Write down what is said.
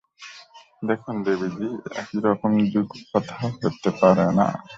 দেখুন দেবীজি, এই দুই রকম কথা হতে পারে না।